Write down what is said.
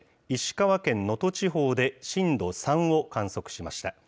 石川県能登地方で震度３を観測しました。